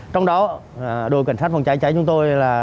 trong đó đội cảnh sát phòng cháy cháy chúng tôi là